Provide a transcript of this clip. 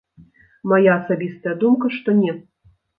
Мая асабістая думка, што не.